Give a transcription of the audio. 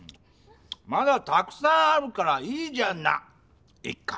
まだたくさんあるからいいじゃなイカ！